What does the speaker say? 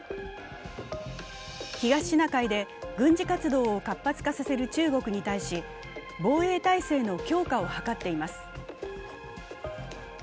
東シナ海で軍事活動を活発化させる中国に対し防衛態勢の強化を図っています。